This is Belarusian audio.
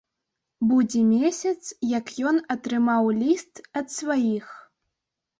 Будзе месяц, як ён атрымаў ліст ад сваіх.